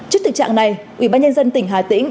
trước tình trạng này ubnd tỉnh hà tĩnh